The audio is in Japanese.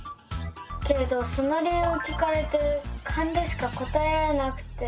けれどその理由を聞かれてカンでしか答えられなくて。